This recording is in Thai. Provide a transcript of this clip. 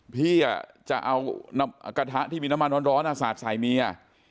พี่จะเอากระทะที่มีน้ำมันร้อนสาดใส่เมีย